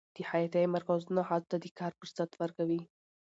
د خیاطۍ مرکزونه ښځو ته د کار فرصت ورکوي.